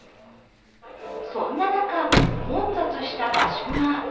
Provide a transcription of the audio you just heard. そんな中、混雑した場所が。